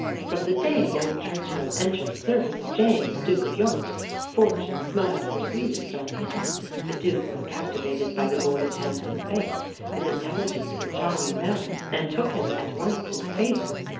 From the day young Churchill entered the service of James, Duke of York, Fortune smiled her sweetest on him. The Duke was captivated by the boy's handsome face, his intelligence and charming manners, and took him at once into favour.